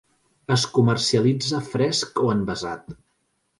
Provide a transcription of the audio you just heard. Es comercialitza fresc o envasat.